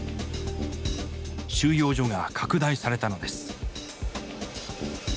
収容所が拡大されたのです。